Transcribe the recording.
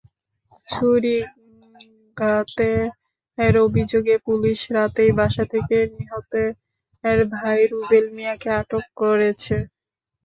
ছুরিকাঘাতের অভিযোগে পুলিশ রাতেই বাসা থেকে নিহতের ভাই রুবেল মিয়াকে আটক করেছে।